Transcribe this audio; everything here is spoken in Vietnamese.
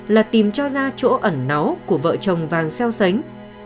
là tìm cho ra chỗ ẩn náu của vợ chồng vàng xeo xánh